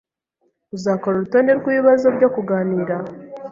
Uzakora urutonde rwibibazo byo kuganira?